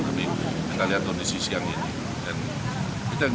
tapi kita lihat kondisi siang ini